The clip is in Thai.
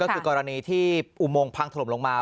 ก็คือกรณีที่อุโมงพังถล่มลงมา